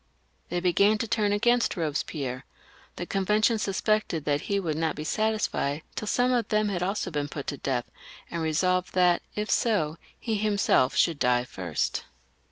They began to turn against Kobespierre ; the Con vention suspected that he would not be satisfied till some of them had also been put to death, and resolved that if so, he himself should die first.